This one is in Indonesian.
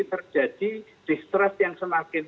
terjadi distress yang semakin